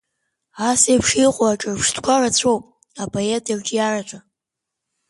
Ас еиԥш иҟоу аҿырԥштәқәа рацәоуп апоет ирҿиараҿы.